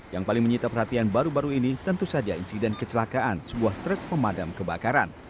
yang paling menyita perhatian baru baru ini tentu saja insiden kecelakaan sebuah truk pemadam kebakaran